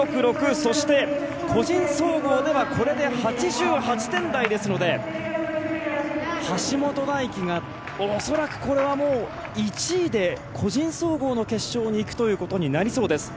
そして個人総合ではこれで８８点台ですから橋本大輝が恐らくこれは１位で個人総合の決勝に行くということになりそうです。